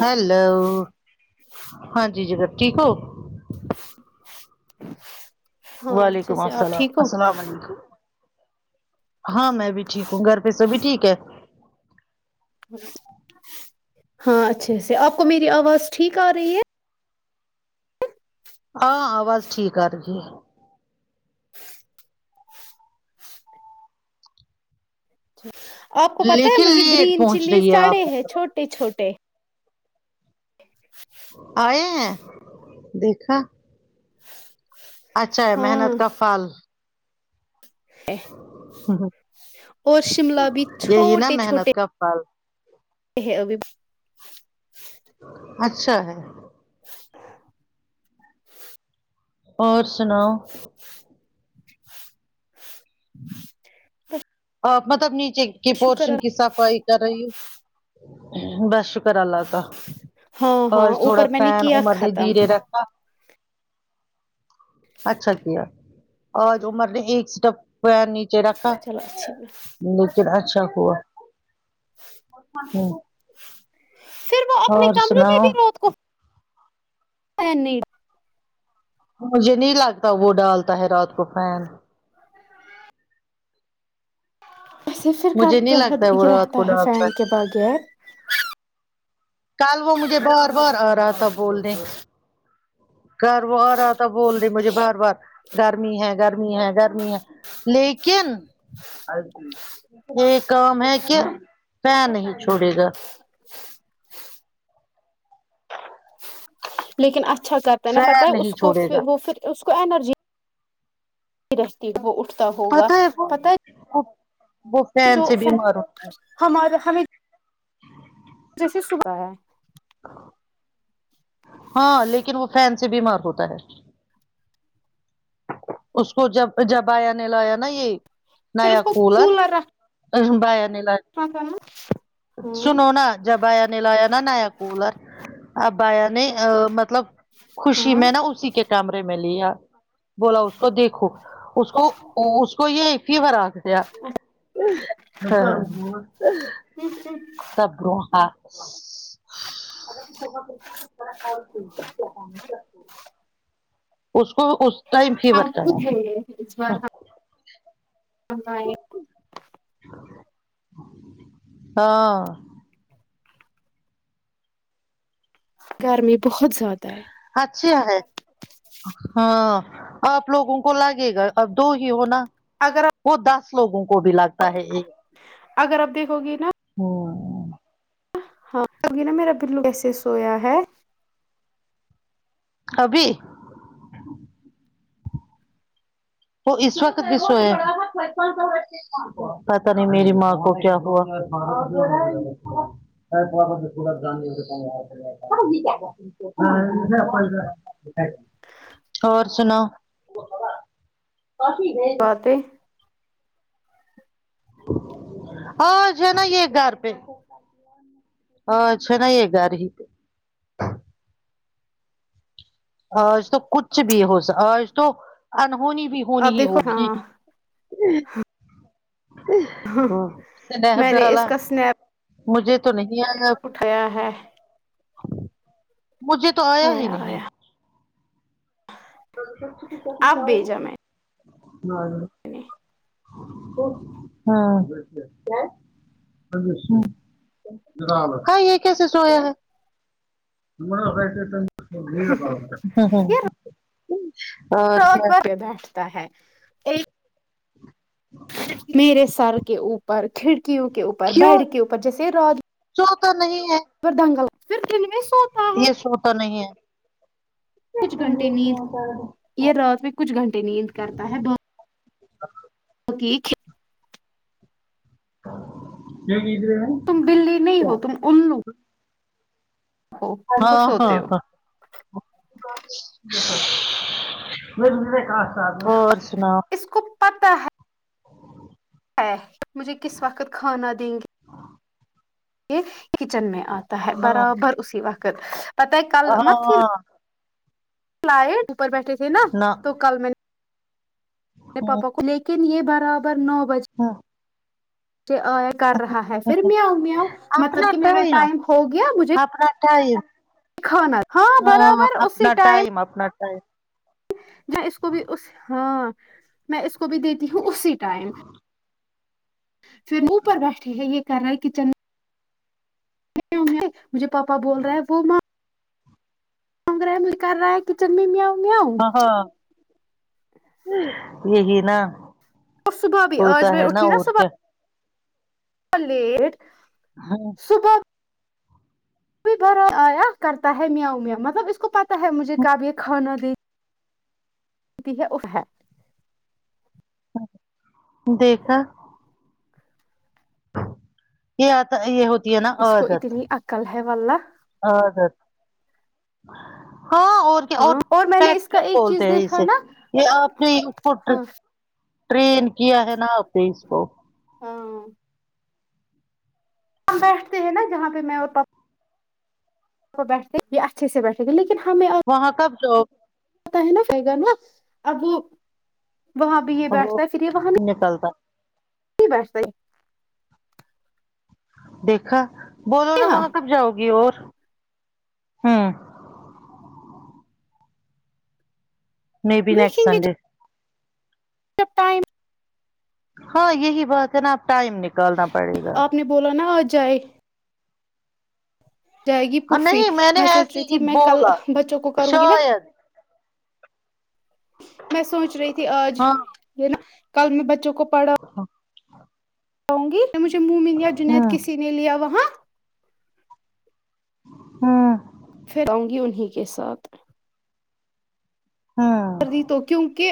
hello ہاں جی جناب ٹھیک ہو ہاں اچھے وعلیکم سے آپ السلام ٹھیک ہو السلام علیکم ہاں میں بھی ٹھیک ہوں گھر پہ سب ہی ٹھیک ہے ہاں اچھے سے آپ کو میری آواز ٹھیک آ رہی ہے ہاں آواز ٹھیک آ رہی ہے آپ کو پتہ ہے لیکن مجھے لیٹ گرین پہنچ چلیز رہی ہے سڑے آپ ہیں چھوٹے چھوٹے آئے ہیں دیکھا اچھا ہے محنت ہاں کا پھل اور شملہ بھی چھوٹے چھوٹے پل تے ہے ابھی اچھا ہے اور سناؤ تو آ مطلب نیچے کی پورشن کی صفائی کر رہی ہے بس ش کر اللہ کا ہاں ہاں آج تھوڑا اوپر میں نے فین کیا عمر نے ختم دیرے رکھا اچھا کیا آج عمر نے ایک اسٹیپ پیر نیچے رکھا [unintelligible] لیکن اچھا ہوا ہ پھر وہ اپنے کمرے میں سناؤ بھی رو نہیں مجھے نہیں لگتا وہ ڈالتا ہے رات کو فان ایسے پھر مجھے نہیں کرتاہے لگتا ہے وہ یہ رات رہتا کو ہے ڈالتا فین کے بغیر کل وہ مجھے بار بار آ رہا تھا بولنے گھر وہ رہا تھا بول دے مجھے بار بار گرمی ہے گرمی ہے گرمی ہے لیکن یہ کام ہے کہ فین نہیں چھوڑے گا لیکن اچھا کرتا ہے نا پتہ ہے فین اس نہیں کو چھوڑے گا وہ پھر اس کو انرجی رہتی وہ اٹھتا ہوگا پتا ہے اپ جو ہمارے ہمیں جیسے صبح ہے ہاں لیکن وہ فین سے بیمار ہوتا ہے اس کو جب جب آیا نے لایا نا یہ پھر اس نیا کو کولر رکھنا اس کے بھیا نے لیا [unintelligible] ہاں سنو نا جب بھیا نے لایا نا نیا کولر اب بھیا نے مطلب خوشی ہاں میں نا اسی کے کیمرے میں لیا بولا اس کو دیکھو اس کو اس کو یہ فیور آ [unintelligible] ہوں ہوں اور ہا اس کو اس ٹائم ہم فیور خود چڑھا ہے اس بار ہم اائے ہاں گرمی بہت زیادہ ہے اچھا ہے ہاں آپ لوگوں کو لگے گا اب دو ہی ہونا اگر آپ وہ دس لوگوں کو بھی لگتا ہے ایک اگر آپ دیکھو گی نا ہوں ہاں تبھی نا میرا بلو ایسے سویا ہے ابھی وہ اس وقت بی سویا پتا نہیں میری ماں کو کیا ہوا [inaudible] اور سناؤ کافی بھیجو باتیں آج ہے نا یہ گھر پہ ا اچھا نہیں ہے گھر ہی پ آج تو کچھ بھی ہو سکتا آج تو انہونی بھی ہونی آپ ہی دیکھو ہوگی ہاں ہوں سلہب میں نے اس ڈالا کا اسنیپ مجھے تو نہیں آیا ابھی اٹھایا ہے مجھے تو آیا ہی نہیں اب بھیجا میں [unintelligible] نے ہاں [unintelligible] کاں یہ کیسے سویا ہے [unintelligible] اور رات کیا بھر کے بیٹھتا ہے ایک میرے سر کے اوپر کھڑکیوں کے اوپر کیوں بیڈ کے اوپر جیسے رات سوتا نہیں ہے بھر دنگل پھر دن ک لیہ سوتا ہے یہ سوتا نہی نہیں ہے کچھ گھنٹے نیند یہ رات میں کچھ گھنٹے نیند کرتا ہے دو [unintelligible] کیو نیند نئی اۓ تم بلی نہیں ہو تم اللو کو ہاں ہاں سوتے ہو ہاں اور سناؤ اس کو پتہ ہے ہے مجھے کس وقت کھانا دیں گے یہ کچن میں آتا ہے ہاں برابر اسی وقت پتہ ہے کل ہاں مت ہی ہاں فائٹ اوپر بیٹھے تھے نا نہ تو کل میں نے میں پاپا کو لیکن یہ برابر نو بجے ہاں ک آں کر رہا ہے پھر میاؤں میاؤں مطلب اپنا کہ میرا ٹائم ہو گیا مجھے ٹم کھانا ہاں برابر اپنا ٹائم اپنا ٹائم جو اس کو بھی اس ہاں میں اس کو بھی دیتی ہوں اسی ٹائم پھر منہ پر بیٹھے ہیں یہ کر رہا ہے کچن میں مجھے پاپا بول رہا ہے وہ ماں گرامل کر رہا ہے کچن میں میاؤں میاؤں ہاؤ ہاؤ یہی نا اور صبح بھی وہ تو آج میں ہے نا اٹھی اور کیا صبح لیٹ ہاں نہ صبح پھر بھر ایا کرتا ہے میاؤں میاؤں مطلب اس کو پتہ ہے مجھے کویہ کھانا دے تی ہے اف ہے دیکھا یہ اتا ہے یہ ہو اس کو اتنی عقل ہے واللہ عادت ہیں ہاں اور ک اوٹ ہاں اور میں نے اس پیکٹ کا ایک چیز بولتے ہیں دیکھا اسے نا یہ اپ نے ان کو ہاں ٹرین کیا ہے نا اپ اس کو ہاں ہم بیٹھتے ہیں نا جہاں پہ میں اور پاپا وہ بیٹھے یہ اچھے سے بیٹھے گے لیکن ہمیں اب وہاں کب جاؤ پتا ہے نا رہائے گا نا اب وہ وہاں یہ وہ بیٹھتا ہے پھر وہاں یہ نکلتا [unintelligible] وہاں نہ بیٹھتا ہے دیکھا بولو نا یہاں وہاں کب جاؤ گی اور میں بی نیکسٹ دیکھیں گے سنڈے جب ٹائم ہاں یہی بات ہے نا اب ٹائم نکالنا پڑے گا بول نا اجائے جائے گی اور پھوفی نہیں نے میں سوچ ایسے رہی ہی تھی میں کل بولا بچوں کو کروں گی نا شاید میں سوچ رہی تھی آج ہاں یہ نا کل میں بچوں کو پڑھا ہاں جاؤں گی مجھے مومن یا جنید ہوں کسی نے لیا وہاں ہوں پھر اؤں گی انہیں کے ساتھ ہوں کردی تو کیوکہ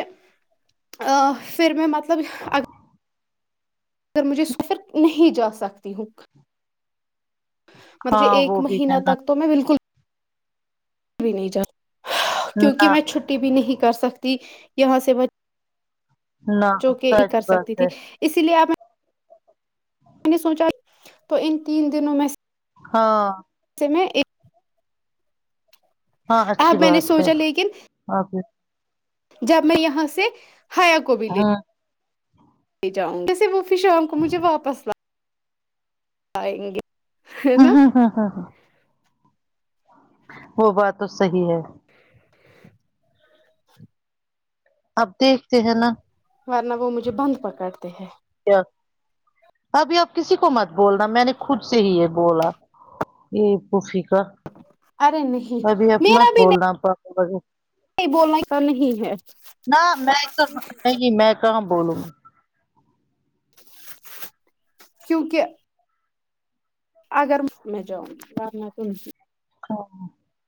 پھر میں مطلب پھر مجھے سفر نہیں جا سکتی ہوں مجھے ہاں ایک وہ بھی مہینہ ہے نا تک میں بالکل [inaudible] بھی نہیں جاتی کیوکہ نہ میں چھٹی تی بھی نہیں کر سکتی یہاں سے نہ بچوں کے ہی کر سچ سکتی بات تھی ہے اسی لیے آپ میں نے سوچا تو ان تین دنوں میں سے ہاں اتے میں ایک ہاں اچھی اب میں نے بات ہے سوچا لیکن اپ جب میں یہاں سے حیا کو بھی لے ہاں لے جاؤ جیسے وہ پھر شام کو مجھے واپس ل آئے گے ہے ہاں نا ہاں ہاں ہاں وہ بات تو صحیح ہے [inaudible] اب دیکھتے ہیں نا ورنہ وہ مجھے بند پکڑتے ہے ابھی اب کسی کو مت بولنا میں نے خود سے ہی یہ بولا یہ پھوفی کا ارے میں بھی نہیں آپ مت بولنا بولنے کا نہیں ہے نہ میں کہ نہیں میں کہاں بولوں کیونکہ اگر میں جاؤں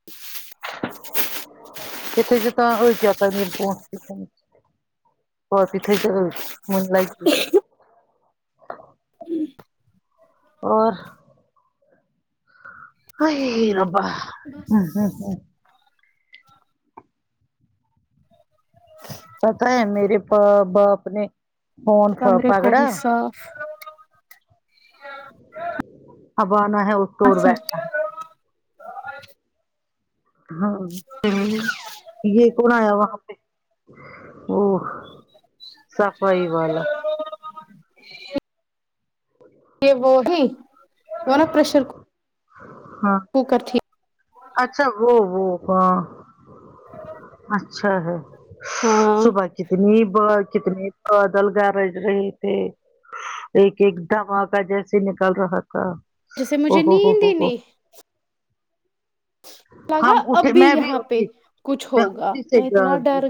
[inaudible] [unintelligible] ہو کیاتا نہیں پ اور آپ ہی تھے جو من لائ پی اور ہائے ربا پتا ہے میرے پا باپ نے فون کمرے کو پگڑا بھی [inaudible] اب آنا ہے اس کو اور اچھا بیٹھنا ہے ہوں یہ کون آیا وہاں پہ وہ [inaudible] صفائی والا یہ وہ ہی وہ نا پرشر کوکر ہاں کوکرٹھیک اچھا وہ وہ ہاں اچھا ہے ہاں صبح کتنی بار کتنے بادل گرج رہے تھے ایک ایک دوا کا جیسے نکل رہا تھا جیسے او مجھے ہو ہو نیند ہو ہی ہو نہیں ہم لگا اٹھے اب میں بھی یہاں پہ اٹھی کچھ میں ہوگا اسی سے میں اتنا جاگ گئی ڈر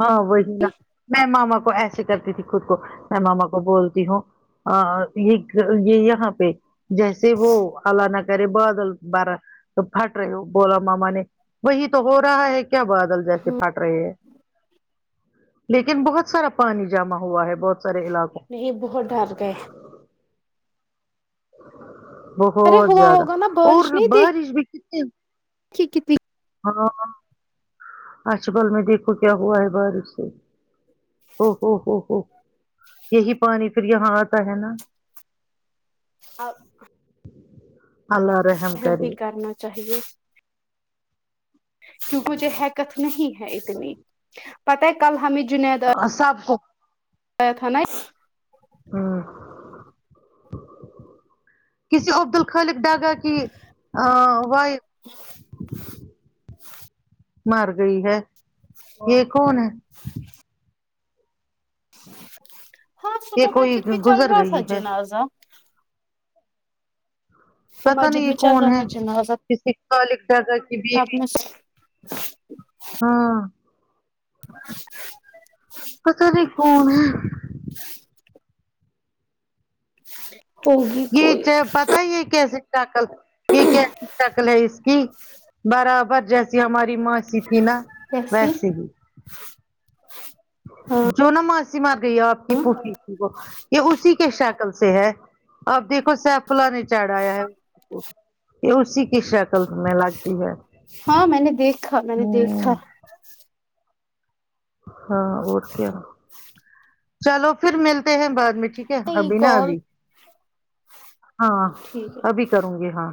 ہاں وہی نا میں ماما کو ایسے کرتی تھی خود کو میں ماما کو بولتی ہوں ه ہ یہ یہ یہاں پہ جیسے وہ اللہ نہ کرے بادل بارا تو پھٹ رہے ہو بولا ماما نے وہی تو ہو رہا ہے کہ کیا بادل جیسے پھٹ رہے ہے لیکن بہت سارا پانی جمع ہوا ہے بہت سارے علاقوں نہیں بہت ڈر گئے ارے بہت ہوا زیادہ ہوگا نا اور بارش بھی کتنی کی کتنی ہاں آج صبح میں دیکھوں کیا ہوا ہے بارش سے ا ہو ہو ہو یہی پانی پھر یہاں آتا ہے نا اب اللہ رحم ہلپ بھی کرے کرنا چاہیے کچھ حرکت نہیں ہے اتنی پتہ ہے کل ہمیں جنید سب کو آیا تھا نے ہوں کسی عبدالخالق ڈگا کی وائف [inaudible] مر گئی ہے یہ کون ہے ہاں یہ صبح کوئی مسجد بھی چل گزر رہا تھا گئی ہے جنازہ تو پتا مسجد نہیں یہ میں چل رہا کون تھا ہے جنازہ کسی خالق ڈاگا کی آپ بیوی نے [inaudible] ہاں [inaudible] پتا نہیں کون ہے [inaudible] یہ کوئی چے پتا ہے یہ کیسے شکل [unintelligible] کیسی شکل ہے اس کی برابر جیسے جی ہماری ماسی تھی نا کیسی ویسے ہی جو نا ماسی مر گئی آپ کی پھوپی تھی وہ یہ اسی کی شکل سے ہے آپ دیکھو سیف اللہ نے چڑھایا ہے یہ اسی کی شکل میں لگتی ہے ہاں میں نے دیکھا میں نے دیکھا ہوں ہاں اور کیا چلو پھر ملتے ہیں بعد میں ٹھیک ہے نہیں ابھی نا کال ابھی ہاں ٹھیک ہے ابھی کروں گی ہاں